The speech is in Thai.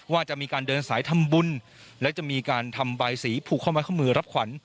ว่าจะมีการเดินสายทำบุญและจะมีการทำบายสีผูกข้อไม้ข้อมือรับขวัญ